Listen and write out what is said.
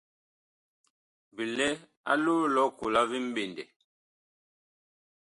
Bi lɛ a loo lʼ ɔkola vi mɓendɛ.